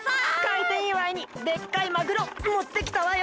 かいてんいわいにでっかいマグロもってきたわよ！